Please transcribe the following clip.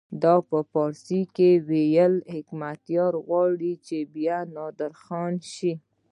ده په فارسي وویل حکمتیار غواړي چې بیا نادرخان شي.